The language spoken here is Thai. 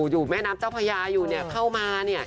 อยู่แม่น้ำเจ้าพญาอยู่เข้ามา